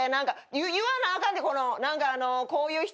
言わなあかんで何かこういう人たちに。